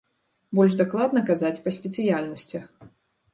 Больш дакладна казаць па спецыяльнасцях.